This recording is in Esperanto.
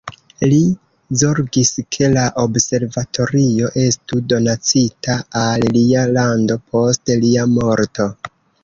Li zorgis, ke la observatorio estu donacita al lia lando post lia morto.